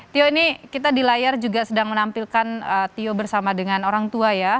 tio ini kita di layar juga sedang menampilkan tio bersama dengan orang tua ya